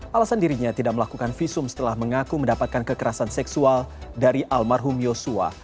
alasan dirinya tidak melakukan visum setelah mengaku mendapatkan kekerasan seksual dari almarhum yosua